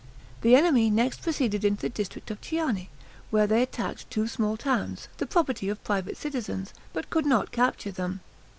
The enemy next proceeded into the district of Chiane, where they attacked two small towns, the property of private citizens, but could not capture them.